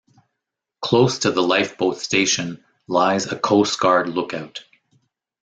Close to the lifeboat station lies a coastguard lookout.